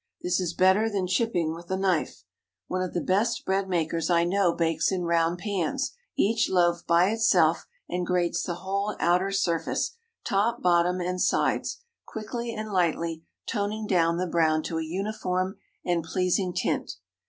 This is better than chipping with a knife. One of the best bread makers I know bakes in round pans, each loaf by itself, and grates the whole outer surface, top, bottom, and sides, quickly and lightly, toning down the brown to a uniform and pleasing tint.